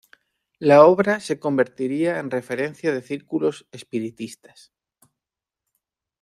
La obra se convertiría en referencia de círculos espiritistas.